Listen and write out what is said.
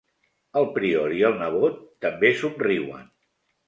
El prior i el nebot també somriuen.